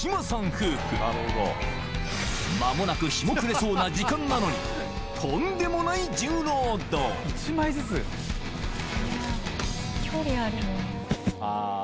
夫婦まもなく日も暮れそうな時間なのにとんでもない重労働・ハハハ・